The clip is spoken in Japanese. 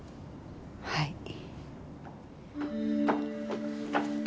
はい。